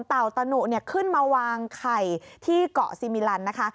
ตะหนุขึ้นมาวางไข่ที่เกาะซีมิลันนะคะ